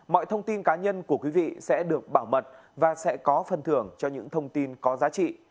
mọi thông tin cá nhân của quý vị sẽ được bảo mật và sẽ có phần thưởng cho những thông tin có giá trị